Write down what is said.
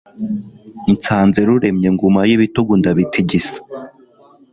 nsanze ruremye ngumayo ibitugu ndabitigisa